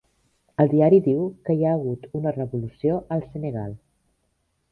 El diari diu que hi ha hagut una revolució al Senegal.